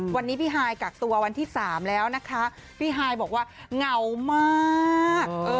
วันนี้พี่ฮายกักตัววันที่๓แล้วนะคะพี่ฮายบอกว่าเหงามาก